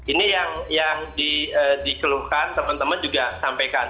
ini yang dikeluhkan teman teman juga sampaikan